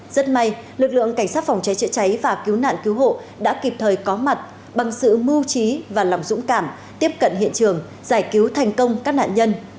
rất may lực lượng cảnh sát phòng cháy chữa cháy và cứu nạn cứu hộ đã kịp thời có mặt bằng sự mưu trí và lòng dũng cảm tiếp cận hiện trường giải cứu thành công các nạn nhân